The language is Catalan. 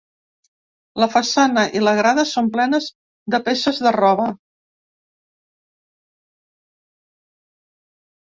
La façana i la grada són plenes de peces de roba.